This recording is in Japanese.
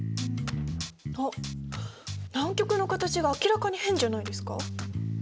あっ南極の形が明らかに変じゃないですか？